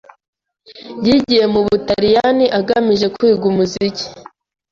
Yagiye mu Butaliyani agamije kwiga umuziki.